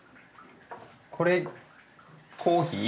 これコーヒー？